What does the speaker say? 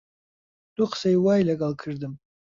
دوو قسەی وای لەگەڵ کردم